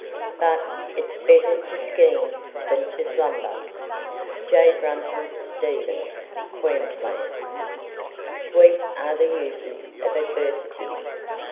But "it's better to scheme than to slumber." J. Brunton Stephens, Queensland. "Sweet are the uses of adversity."